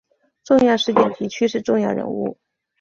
重要事件及趋势重要人物